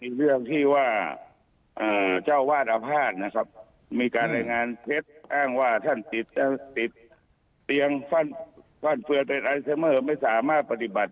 มีเรื่องที่ว่าเจ้าวาดอภาษณ์มีการไหนงานเช็ดอ้างว่าท่านติดเตียงฟั่นเฟือเต็ดไอเซเมอร์ไม่สามารถปฏิบัติ